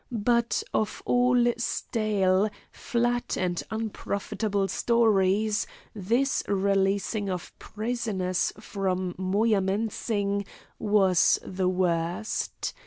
But of all stale, flat, and unprofitable stories, this releasing of prisoners from Moyamensing was the worst.